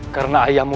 karena ayah mula